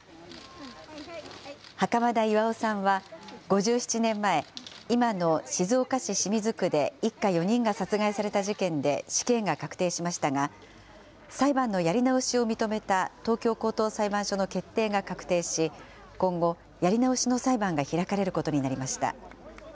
袴田巌さんは５７年前、今の静岡市清水区で一家４人が殺害された事件で死刑が確定しましたが、裁判のやり直しを認めた東京高等裁判所の決定が確定し、今後、やり直しの裁判が開かれることになりました。